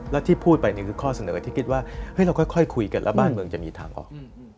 แล้วที่พูดไปนี่คือข้อเสนอที่คิดว่าเราค่อยคุยกันแล้วบ้านเมืองจะมีทางออก